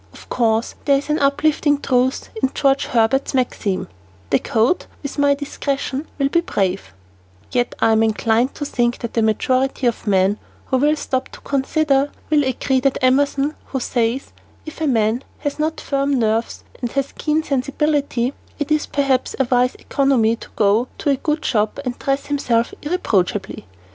Of course, there is an uplifting truth in George Herbert's maxim, "This coat with my discretion will be brave," yet, I am inclined to think that the majority of men who will stop to consider will agree with Emerson, who says, "If a man has not firm nerves and has keen sensibility, it is perhaps a wise economy to go to a good shop and dress himself irreproachably.